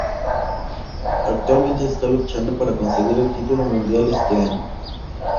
Actualmente se está luchando para conseguir el título mundial este año.